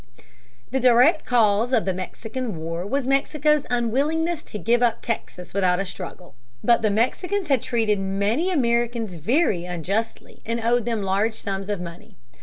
The direct cause of the Mexican War was Mexico's unwillingness to give up Texas without a struggle. But the Mexicans had treated many Americans very unjustly and owed them large sums of money.